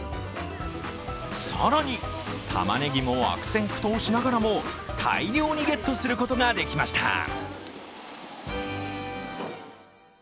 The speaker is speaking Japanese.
更に、たまねぎも悪戦苦闘しながらも大量にゲットすることができました。